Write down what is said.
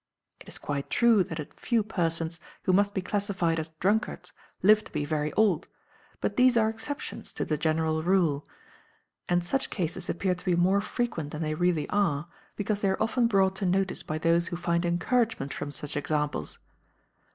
It is quite true that a few persons who must be classified as drunkards live to be very old; but these are exceptions to the general rule, and such cases appear to be more frequent than they really are, because they are often brought to notice by those who find encouragement from such examples.